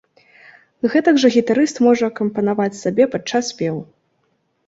Гэтак жа гітарыст можа акампанаваць сабе падчас спеву.